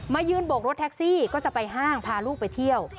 ยืนโบกรถแท็กซี่ก็จะไปห้างพาลูกไปเที่ยว